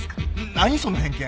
何その偏見。